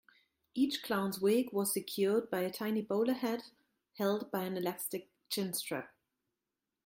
Each clown's wig was secured by a tiny bowler hat held by an elastic chin-strap.